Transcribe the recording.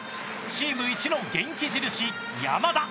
チームいちの元気印、山田。